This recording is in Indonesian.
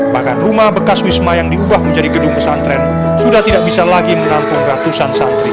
bahkan rumah bekas wisma yang diubah menjadi gedung pesantren sudah tidak bisa lagi menampung ratusan santri